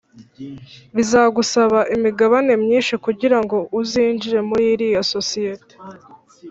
Bizagusaba imigabane myinshi kugira ngo uzinjire muri iriya sosiyete